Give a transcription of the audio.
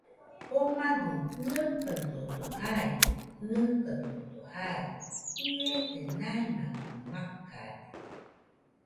Jomadɨ jɨaɨkaɨrodo jaide, jaɨkaɨrodo jaide. Iese maimakɨ makade.